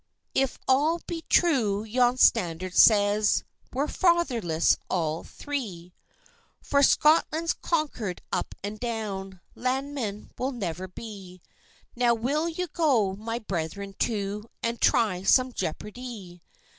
If all be true yon standard says, We're fatherless all three. "For Scotland's conquer'd up and down; Landmen we'll never be! Now, will you go, my brethren two, And try some jeopardy?"